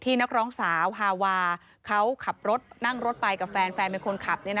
นักร้องสาวฮาวาเขาขับรถนั่งรถไปกับแฟนแฟนเป็นคนขับ